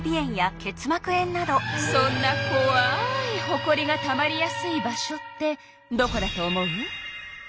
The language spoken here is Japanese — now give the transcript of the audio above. そんなこわいほこりがたまりやすい場所ってどこだと思う？